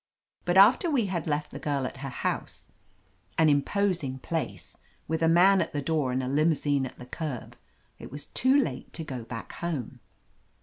But after we had left the girl at her house — an imposing place, with a man at the door and a limousine at the curb — it was too late to go back home.